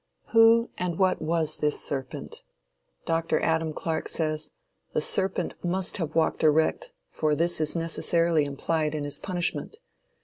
Who, and what was this serpent? Dr. Adam Clark says: "The serpent must have walked erect, for this is necessarily implied in his punishment.